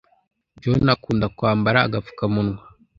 John akunda kwambara agapfukamunwa.